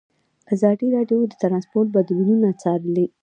ازادي راډیو د ترانسپورټ بدلونونه څارلي.